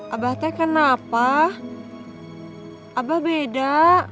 abah teh kenapa abah beda